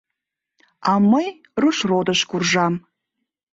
А мый Рушродыш куржам.